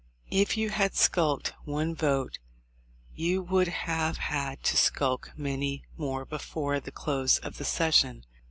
If you had skulked one vote you would have had to skulk many more before the close of the session.